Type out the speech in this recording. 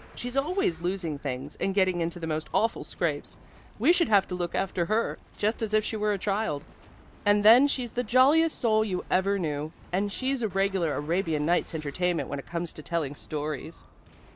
She's always losing things, and getting into the most awful scrapes. We should have to look after her, just as if she were a child. And then she's the jolliest soul you ever knew, and she's a regular Arabian Nights' entertainment when it comes to telling stories."